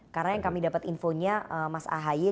karena yang kami dapat infonya mas ahaye